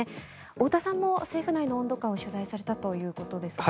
太田さんも政府内の温度感を取材されたということですが。